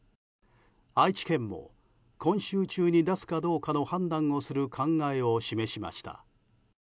愛知県も今週中に出すかどうかの判断をする考えを示しました。